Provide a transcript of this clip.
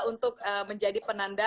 untuk menjadi penanda